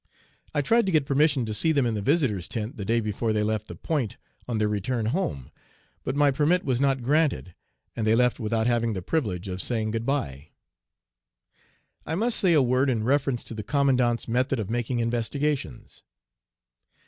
I tried to get permission to see them in the 'Visitors' Tent' the day before they left the 'Point' on their return home, but my permit was not granted, and they left without having the privilege of saying 'Good by.' "I must say a word in reference to the commandant's method of making 'investigations.'